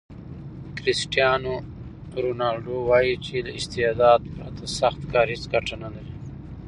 کرسټیانو رونالډو وایي چې له استعداد پرته سخت کار هیڅ ګټه نلري.